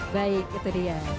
baik itu dia